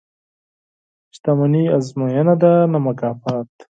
• شتمني ازموینه ده، نه مکافات.